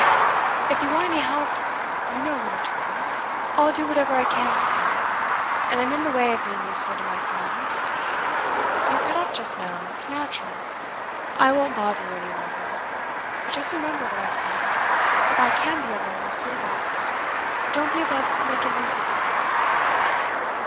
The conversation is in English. If you want any help, you know where to turn; I'll do whatever I can for you; and I'm in the way of being useful to my friends. You're cut up just now; it's natural. I won't bother you any longer. But just remember what I've said. If I can be of any service, don't be above making use of me.